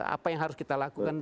apa yang harus kita lakukan